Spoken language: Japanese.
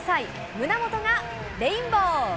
胸元がレインボー。